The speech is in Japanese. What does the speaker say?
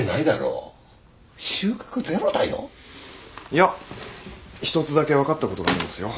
いや１つだけ分かったことがあるんですよ。